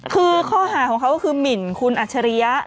คือข้อหาของเขาก็คือหมินคุณอัจฉริยะ